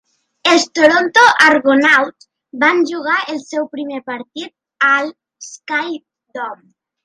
Els Toronto Argonauts van jugar el seu primer partit a l'SkyDome.